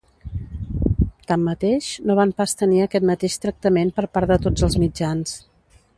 Tanmateix, no van pas tenir aquest mateix tractament per part de tots els mitjans.